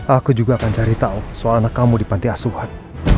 aku juga akan cari tahu soal anak kamu di panti asuhan